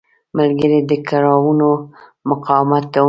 ملګری د کړاوونو مقاومت کوونکی دی